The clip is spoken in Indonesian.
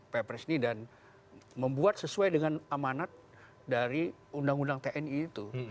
perpres ini dan membuat sesuai dengan amanat dari undang undang tni itu